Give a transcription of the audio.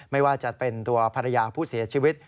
ไม่ว่าจะเป็นตัวภรรยาผู้เสียชีวิต